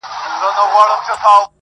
لېوه ږغ کړه فیله ولي په ځغستا یې!.